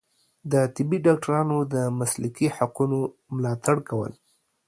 د طبي ډاکټرانو د مسلکي حقونو ملاتړ کول